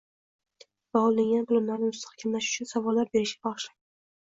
va olingan bilimlarni mustahkamlash uchun savollar berishga bag‘ishlaydi.